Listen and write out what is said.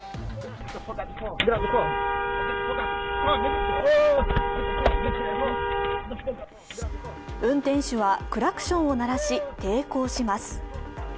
そこで、運転手はクラクションを鳴らし抵抗します。